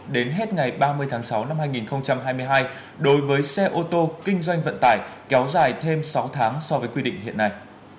đến hết ngày ba mươi tháng sáu năm hai nghìn hai mươi hai đối với xe ô tô kinh doanh vận tải kéo dài thêm sáu tháng so với quy định hiện nay